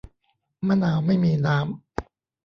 มะนาวไม่มีน้ำ